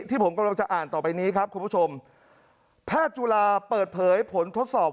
ที่ผมกำลังจะอ่านต่อไปนี้ครับคุณผู้ชมแพทย์จุฬาเปิดเผยผลทดสอบ